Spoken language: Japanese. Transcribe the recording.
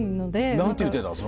何て言うてたん？